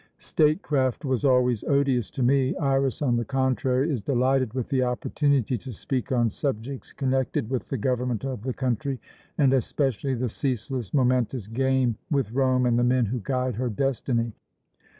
Statecraft was always odious to me. Iras, on the contrary, is delighted with the opportunity to speak on subjects connected with the government of the country, and especially the ceaseless, momentous game with Rome and the men who guide her destiny."